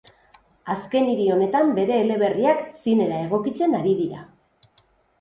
Azken hiri honetan bere eleberriak zinera egokitzen ari dira.